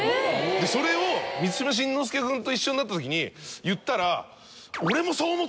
それを満島真之介君と一緒になったときに言ったら。